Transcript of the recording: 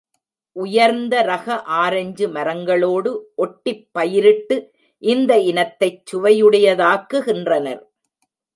உயர்ந்த ரக ஆரஞ்சு மரங்களோடு ஒட்டிப் பயிரிட்டு இந்த இனத்தைச் சுவையுடையதாக்குகின்றனர்.